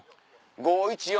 ５１４。